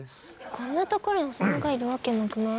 こんなところにホソノがいるわけなくない？